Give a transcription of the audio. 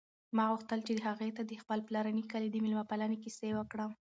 ما غوښتل چې هغې ته د خپل پلارني کلي د مېلمه پالنې کیسې وکړم.